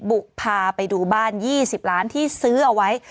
บุกพาไปดูบ้าน๒๐ล้านที่ซื้อเอาไว้